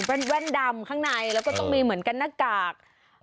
แว่นดำข้างในแล้วก็ต้องมีเหมือนกันหน้ากาก